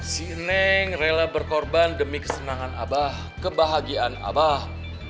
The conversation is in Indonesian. si neng rela berkorban demi kesenangan abah kebahagiaan abah